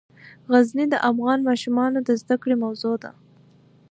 غزني د افغان ماشومانو د زده کړې موضوع ده.